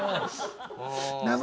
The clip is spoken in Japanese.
名前